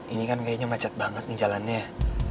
ini kan kayaknya macet banget nih jalannya